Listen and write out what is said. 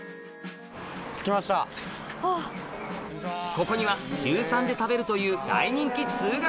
ここには週３で食べるというはいとんこつ。